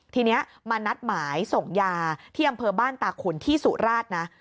ทีนี้มานัดหมายส่งยาที่อำเภอบ้านตาขุนที่สุราชนะ